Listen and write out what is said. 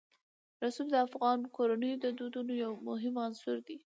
رسوب د افغان کورنیو د دودونو یو مهم عنصر دی.